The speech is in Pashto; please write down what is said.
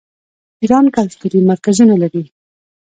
ایران کلتوري مرکزونه لري.